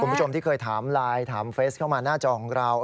คุณผู้ชมที่เคยถามไลน์ถามเฟสเข้ามาหน้าจอของเรา